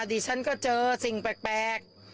ดิฉันก็เจอสิ่งแปลก